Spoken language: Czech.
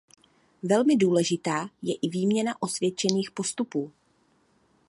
Velmi důležitá je i výměna osvědčených postupů.